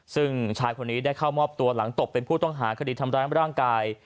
ซึ่งชายคนนี้ได้เข้ามอบตัวหลังตกเป็นผู้ต้องหาคดีทำร้ายร่างกาย